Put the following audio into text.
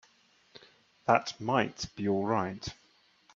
That might be all right.